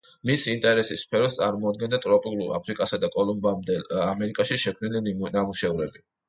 მის ინტერესის სფეროს წარმოადგენდა ტროპიკულ აფრიკასა და კოლუმბამდელ ამერიკაში შექმნილი ნამუშევრები.